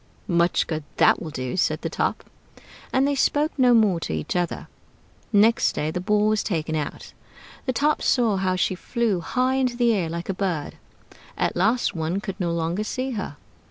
"Much good that will do!" said the Top. And they spoke no more to each other. Next day the Ball was taken out. The Top saw how she flew high into the air, like a bird; at last one could no longer see her.